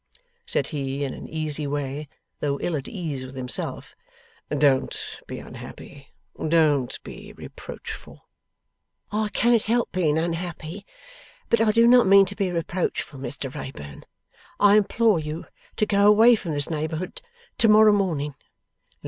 said he, in an easy way though ill at ease with himself 'don't be unhappy, don't be reproachful.' 'I cannot help being unhappy, but I do not mean to be reproachful. Mr Wrayburn, I implore you to go away from this neighbourhood, to morrow morning.